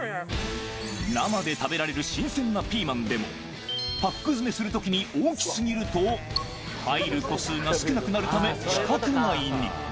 生で食べられる新鮮なピーマンでも、パック詰めするときに大きすぎると、入る個数が少なくなるため、規格外に。